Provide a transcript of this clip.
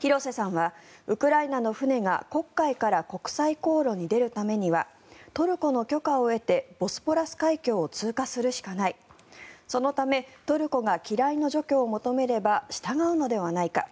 廣瀬さんはウクライナの船が黒海から国際航路に出るためにはトルコの許可を得てボスポラス海峡を通過するしかないそのためトルコが機雷の除去を求めれば従うのではないか。